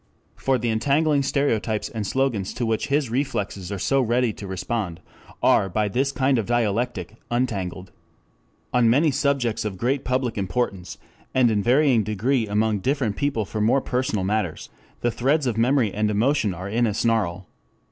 For the entangling stereotypes and slogans to which his reflexes are so ready to respond are by this kind of dialectic untangled. 4 On many subjects of great public importance, and in varying degree among different people for more personal matters, the threads of memory and emotion are in a snarl.